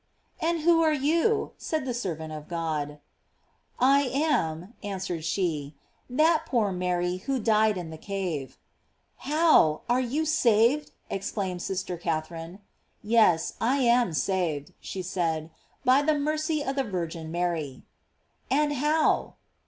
"And who are you?" said the servant of God. "I am," answered she, "that poor Mary who died in the cave." "How! are you saved?" exclaimed sister Catherine. "Yes, I am saved," she said, "by the mercy of the Virgin Mary.'? "And how?''